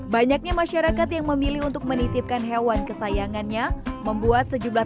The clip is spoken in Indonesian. banyaknya masyarakat yang memilih untuk menitipkan hewan kesayangannya membuat sejumlah